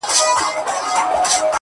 • بيا دي ستني ډيري باندي ښخي کړې ـ